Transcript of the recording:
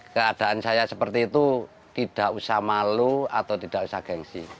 keadaan saya seperti itu tidak usah malu atau tidak usah gengsi